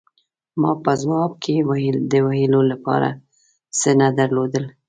ما په ځواب کې د ویلو له پاره څه نه درلودل.